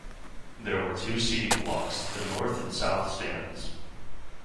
There were two seating blocks, the North and South Stands.